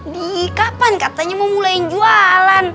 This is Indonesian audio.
di kapan katanya mau mulai jualan